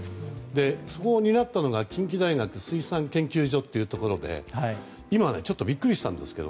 そこを担ったのが近畿大学水産研究所というところで今、ちょっとビックリしたんですけど